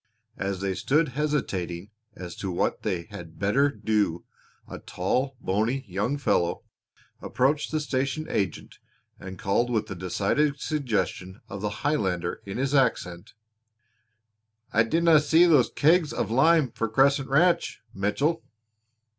As they stood hesitating as to what they had better do a tall, bony young fellow approached the station agent and called with a decided suggestion of the Highlander in his accent: "I dinna see those kegs of lime for Crescent Ranch, Mitchell."